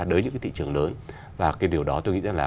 đối với những cái thị trường lớn và cái điều đó tôi nghĩ là